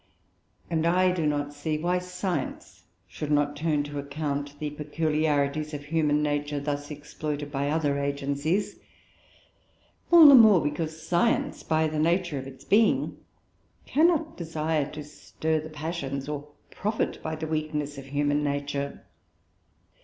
And I do not see why science should not turn to account the peculiarities of human nature thus exploited by other agencies: all the more because science, by the nature of its being, cannot desire to stir the passions, or profit by the weaknesses, of human nature.